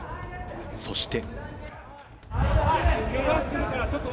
そして。